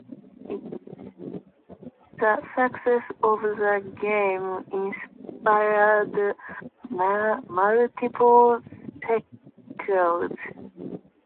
The success of the game inspired multiple sequels.